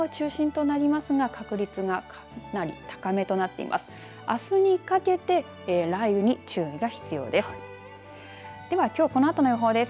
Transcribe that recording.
あすにかけて雷雨に注意が必要です。